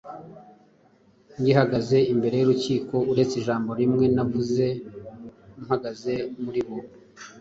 ngihagaze imbere y’urukiko, uretse ijambo rimwe navuze mpagaze muri bo